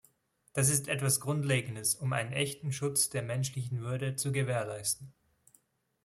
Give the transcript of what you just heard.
Das ist etwas Grundlegendes, um einen echten Schutz der menschlichen Würde zu gewährleisten.